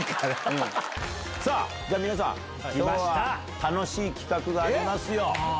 さあ、じゃあ、皆さん、きょうは楽しい企画がありますよ。